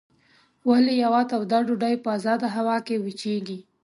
ولې یوه توده ډوډۍ په ازاده هوا کې وچیږي؟